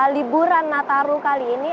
liburan nataru kali ini